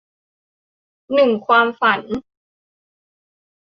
หนึ่งความฝัน